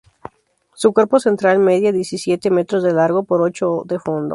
Su cuerpo central medía diecisiete metros de largo, por ocho de fondo.